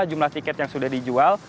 jumlah tiket yang sudah dijual